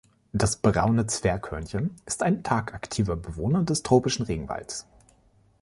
Das Braune Zwerghörnchen ist ein tagaktiver Bewohner des tropischen Regenwalds.